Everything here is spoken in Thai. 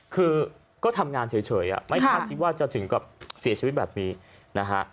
คือก็ทำงานเฉยไม่คาดคิดว่าจะถึงกับเสียชีวิตแบบนี้นะฮะ